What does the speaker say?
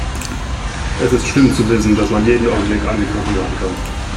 Es ist schlimm zu wissen, dass man jeden Augenblick angegriffen werden kann.